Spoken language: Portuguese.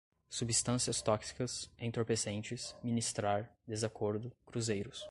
substâncias tóxicas entorpecentes, ministrar, desacordo, cruzeiros